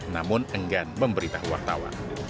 namun enggan memberitahu wartawan